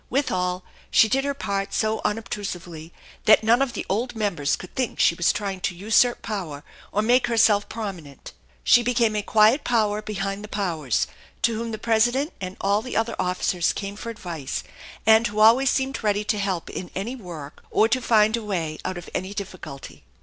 Withal, she did her part so unobtrusively that none of the old members could think she was trying to usurp power or make herself prom inent. She became a quiet power behind the powers, to whom the president and all the other officers came for advice, and who seemed always ready to help in any work, or to find a way out of any difficulty.